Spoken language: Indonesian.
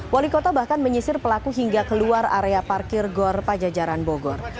wali kota bahkan menyisir pelaku hingga keluar area parkir gor pajajaran bogor